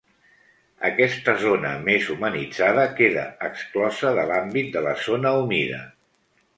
Aquesta zona més humanitzada queda exclosa de l’àmbit de la zona humida.